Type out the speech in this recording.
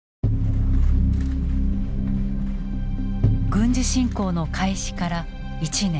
軍事侵攻の開始から１年。